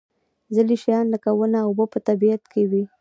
ځینې شیان لکه ونه او اوبه په طبیعت کې وي.